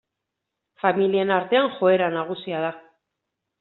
Familien artean joera nagusia da.